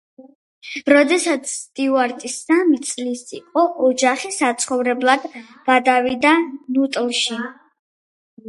როდესაც სტიუარტი სამი წლის იყო, ოჯახი საცხოვრებლად გადავიდა ნუტლში.